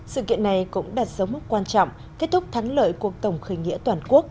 sự kiện này cũng đặt dấu mức quan trọng kết thúc thắng lợi cuộc tổng khởi nghĩa toàn quốc